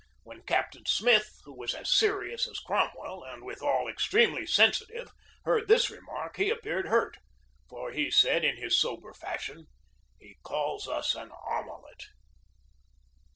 When Captain Smith, who was as serious as Cromwell and withal extremely sensitive, heard this remark, he appeared hurt; for he said, in his sober fashion: "He calls us an omelet!"